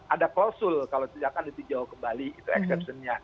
ada klausul kalau tidak ditinjau kembali itu eksepsinya